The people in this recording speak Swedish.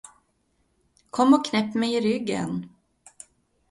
Kom och knäpp mig i ryggen!